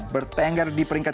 bertengger di peringkat